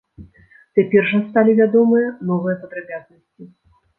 Цяпер жа сталі вядомыя новыя падрабязнасці.